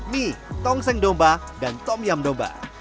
mie tongseng domba dan tom yam domba